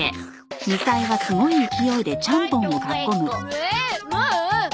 ええもう？